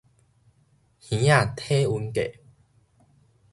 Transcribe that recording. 耳仔體溫計